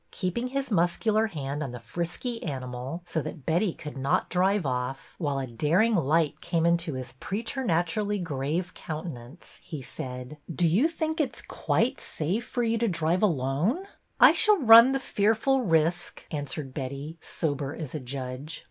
Keeping his muscular hand on the frisky ani mal, so that Betty could not drive off, while a daring light came into his preternaturally grave countenance, he said, —" Do you think it is quite safe for you to drive alone? "" I shall run the fearful risk," answered Betty, sober as a judge.